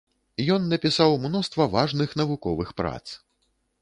Ён напісаў мноства важных навуковых прац.